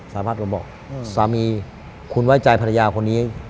สามารถมาบอกสามีคุณไว้ใจภรรยาคนนี้